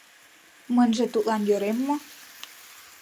— Мыньже тудлан йӧрем мо?»